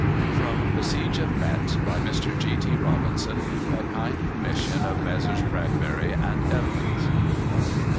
From "The Siege of Metz," by Mr. G. T. Robinson, by kind permission of Messrs. Bradbury and Evans.